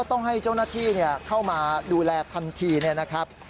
ทันทีนี่นะครับ